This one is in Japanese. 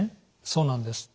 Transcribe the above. そうなんです。